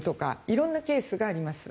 色んなケースがあります。